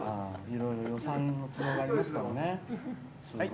いろいろ予算の都合がありますからね。